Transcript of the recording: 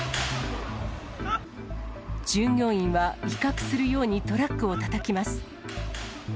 従業員は威嚇するようにトラックをたたきます。